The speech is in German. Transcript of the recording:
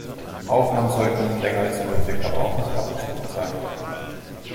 Aufnahmen sollten nicht länger als nötig, aber auch nicht abgeschnitten sein.